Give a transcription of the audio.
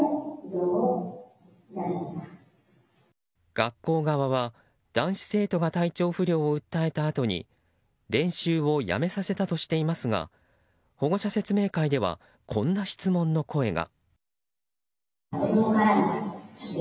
学校側は、男子生徒が体調不良を訴えたあとに練習をやめさせたとしていますが保護者説明会ではこんな質問の声が。